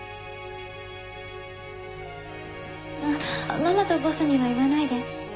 あっママとボスには言わないで。